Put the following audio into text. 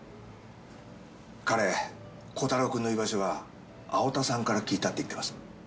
彼コタローくんの居場所は青田さんから聞いたって言ってます。